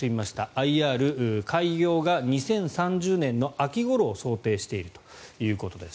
ＩＲ、開業が２０３０年秋ごろを想定しているということです。